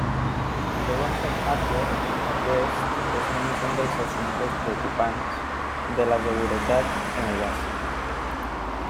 Segons el hacker, aquest és només un dels assumptes preocupants de la seguretat en WhatsApp.